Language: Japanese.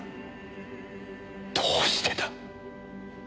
どうしてだ？